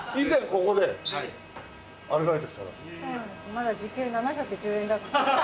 まだ時給７１０円だった。